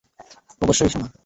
অবশ্যই, সোনা।